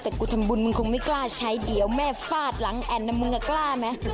แต่กูทำบุญมึงคงไม่กล้าใช้เดี๋ยวแม่ฟาดหลังแอ่นนะมึงกล้าไหม